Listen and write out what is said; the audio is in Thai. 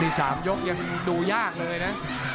มี๓ยกยังดูยากเลยนะ